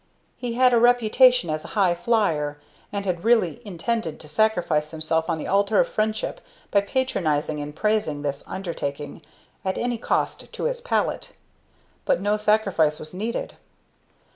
He had a reputation as a high flyer, and had really intended to sacrifice himself on the altar of friendship by patronizing and praising this "undertaking" at any cost to his palate; but no sacrifice was needed.